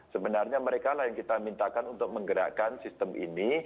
sebenarnya mereka lah yang kita mintakan untuk menggerakkan sistem ini